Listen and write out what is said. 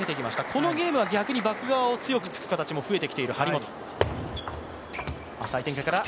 このゲームは逆にバック側を強く突く形も増えている張本。